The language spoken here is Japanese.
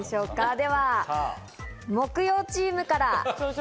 では木曜チームから。